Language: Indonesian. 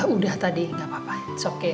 udah tadi gak apa apa